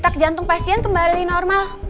cetak jantung pasien kembali normal